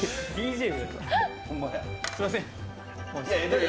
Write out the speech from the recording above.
すみません。